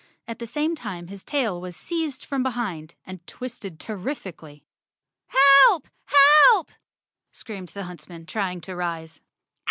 At the same time his tail was seized from behind, and twisted terrifically. "Help! Help!" screamed the huntsman, trying to rise.